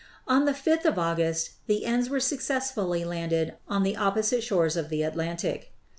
On the 5th of August the ends were suc cessfully landed on the opposite shores of the Atlantic.